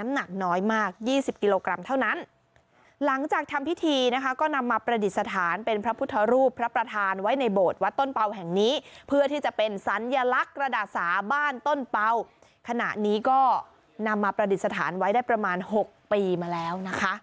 น้ำหนักน้อยมาก๒๐กิโลกรัมเท่านั้นหลังจากทำพิธีนะคะก็นำมาประดิษฐานเป็นพระพุทธรูปพระประธานไว้ในโบสถวัดต้นเป่าแห่งนี้เพื่อที่จะเป็นสัญลักษณ์กระดาษสาบ้านต้นเป่าขณะนี้ก็นำมาประดิษฐานไว้ได้ประมาณ๖ปีมาแล้วนะคะ